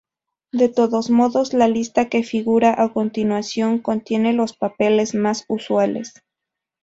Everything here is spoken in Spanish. De todos modos, la lista que figura a continuación contiene los papeles más usuales.